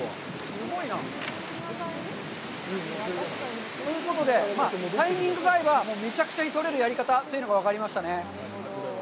すごいな。ということで、タイミングが合えば、めちゃめちゃに取れるやり方というのが分かりましたね。